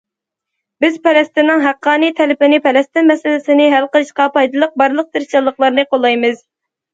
بىز پەلەستىننىڭ ھەققانىي تەلىپىنى، پەلەستىن مەسىلىسىنى ھەل قىلىشقا پايدىلىق بارلىق تىرىشچانلىقلارنى قوللايمىز.